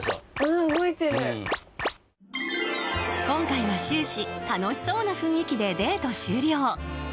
今回は終始楽しそうな雰囲気でデート終了。